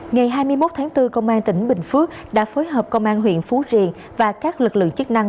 ngày hai mươi một tháng bốn công an tỉnh bình phước đã phối hợp công an huyện phú riềng và các lực lượng chức năng